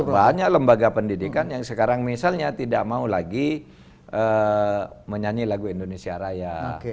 banyak lembaga pendidikan yang sekarang misalnya tidak mau lagi menyanyi lagu indonesia raya